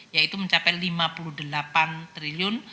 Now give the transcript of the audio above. yaitu mencapai lima puluh delapan triliun